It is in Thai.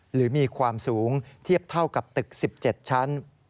หรือมีความสูงเทียบเท่ากับตึก๑๗ชั้น